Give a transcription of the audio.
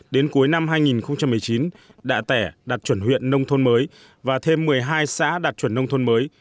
đến cuối năm hai nghìn một mươi chín đạ tẻ đạt chuẩn huyện nông thôn mới và thêm một mươi hai xã đạt chuẩn nông thôn mới